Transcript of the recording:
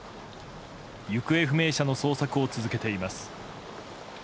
行方不明者の捜索を続けています。